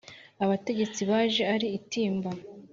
abategetsi baje ari itimba